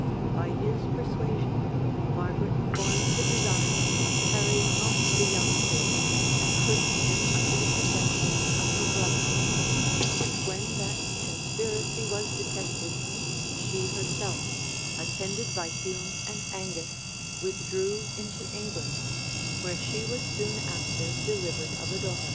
By his persuasion Margaret formed the design of carrying off the young king, and putting him under the protection of her brother; and when that conspiracy was detected, she herself, attended by Hume and Angus, withdrew into England, where she was soon after delivered of a daughter.